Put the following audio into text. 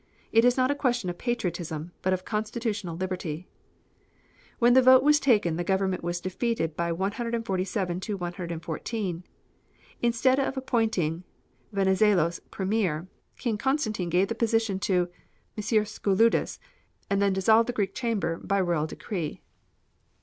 It is not a question of patriotism but of constitutional liberty." When the vote was taken the Government was defeated by 147 to 114. Instead of appointing Venizelos Premier, King Constantine gave the position to M. Skouloudis, and then dissolved the Greek Chamber by royal decree.